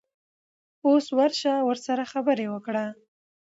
اوس ورشه ورسره خبرې وکړه.